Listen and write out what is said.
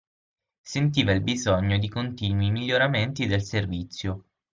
Sentiva il bisogno di continui miglioramenti del servizio.